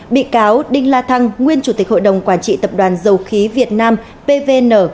bị cáo đinh la thăng nguyên chủ tịch hội đồng quản trị tập đoàn dầu khí việt nam pvn